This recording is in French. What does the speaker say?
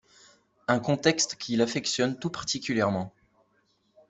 Un contexte qu'il affectionne tout particulièrement.